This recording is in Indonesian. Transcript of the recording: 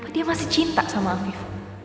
dia masih cinta sama afif